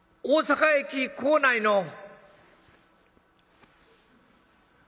「大阪駅構内の」。